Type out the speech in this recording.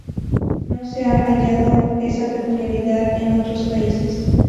No se ha hallado esa peculiaridad en otros países.